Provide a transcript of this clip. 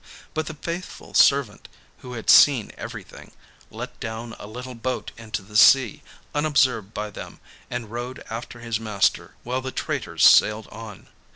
But the faithful servant, who had seen everything, let down a little boat into the sea, unobserved by them, and rowed after his master while the traitors sailed on.